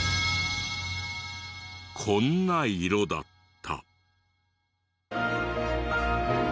こんな色だった。